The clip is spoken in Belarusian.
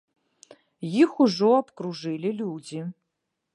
Іх ужо абкружылі людзі.